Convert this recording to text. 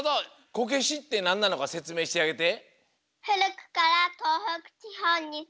こけしってなんなのかせつめいしてあげて。